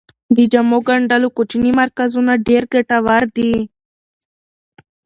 د جامو ګنډلو کوچني مرکزونه ډیر ګټور دي.